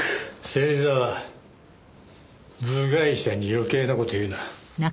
芹沢部外者に余計な事を言うな。